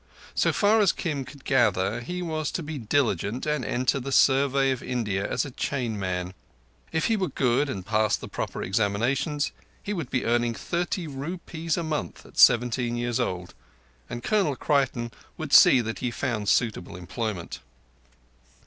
So far as Kim could gather, he was to be diligent and enter the Survey of India as a chain man. If he were very good, and passed the proper examinations, he would be earning thirty rupees a month at seventeen years old, and Colonel Creighton would see that he found suitable employment.